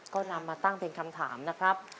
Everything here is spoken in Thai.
ก็นำมาตั้งเป็นคำถามนะครับ